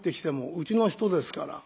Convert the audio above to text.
うちの人ですから」。